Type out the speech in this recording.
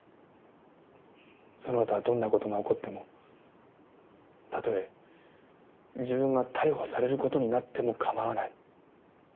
そのあとはどんな事が起こってもたとえ自分が逮捕される事になっても構わない。